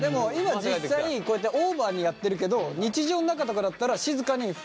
今実際こうやってオーバーにやってるけど日常の中とかだったら静かに。